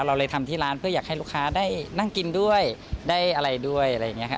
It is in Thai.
เราเลยทำที่ร้านเพื่ออยากให้ลูกค้าได้นั่งกินด้วยได้อะไรด้วยอะไรอย่างนี้ครับ